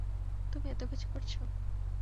তুমি এতকিছু করেছ?